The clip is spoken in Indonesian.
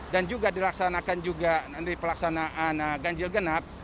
dan juga dilaksanakan juga nanti pelaksanaan gajil genap